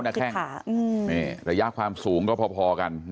เนี่ยระยะความสูงก็พอกัน